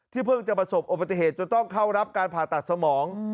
เพิ่งจะประสบอุบัติเหตุจนต้องเข้ารับการผ่าตัดสมอง